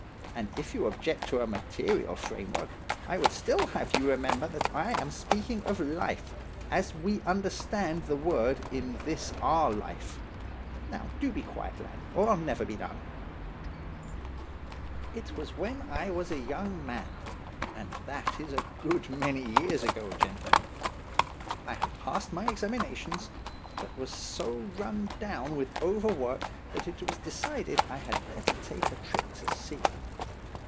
And if you object to a material framework, I would still have you remember that I am speaking of life, as we understand the word in this our life. Now do be a quiet lad, or I'll never be done: "It was when I was a young man, and that is a good many years ago, gentlemen. I had passed my examinations, but was so run down with overwork that it was decided that I had better take a trip to sea.